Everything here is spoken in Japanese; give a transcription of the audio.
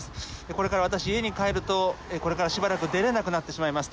これから私、家に帰るとこれからしばらく出れなくなってしまいます。